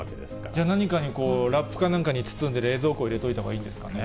じゃあ何かにラップか何かに包んで冷蔵庫入れておいたほうがいいんですかね。